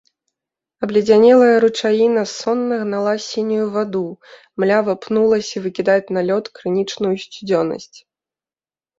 Абледзянелая ручаіна сонна гнала сінюю ваду, млява пнулася выкідаць на лёд крынічную сцюдзёнасць.